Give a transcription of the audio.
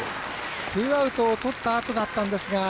ツーアウトをとったあとだったんですが。